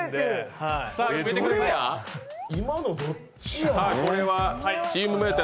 今のどっちや。